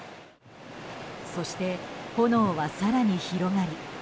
そして、炎は更に広がり。